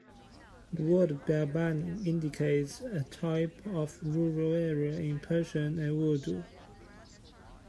The word "Biabani" indicates a type of rural area in Persian and Urdu.